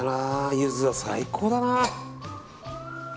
ユズは最高だな。